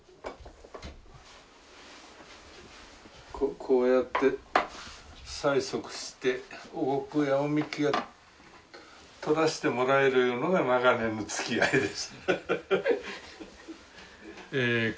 こうやって催促してお御供やお神酒をとらせてもらえるいうのが長年のつきあいです。